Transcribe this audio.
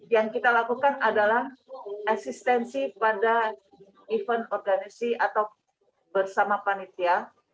yang kita lakukan adalah eksistensi pada event organisasi atau bersama panitia